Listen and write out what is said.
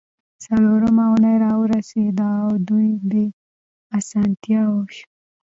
څلورمه اونۍ راورسیده او دوی بې اسانتیاوو شول